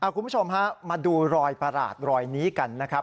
คุณผู้ชมฮะมาดูรอยประหลาดรอยนี้กันนะครับ